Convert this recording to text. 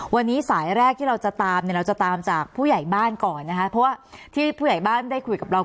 วันนี้สายแรกที่เราจะตามเนี่ยเราจะตามจากผู้ใหญ่บ้านก่อนนะคะเพราะว่าที่ผู้ใหญ่บ้านได้คุยกับเรา